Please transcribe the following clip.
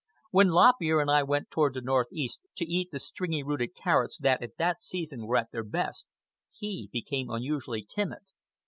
When Lop Ear and I went toward the north east to eat the stringy rooted carrots that at that season were at their best, he became unusually timid.